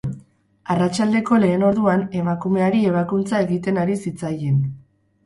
Arratsaldeko lehen orduan, emakumeari ebakuntza egiten ari zitzaien.